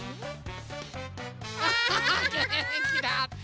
アハハげんきだって！